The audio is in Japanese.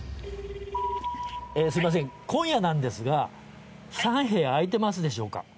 すみません今夜なんですが３部屋空いてますでしょうか？